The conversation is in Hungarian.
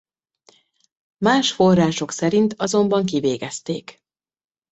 Más források szerint azonban kivégezték.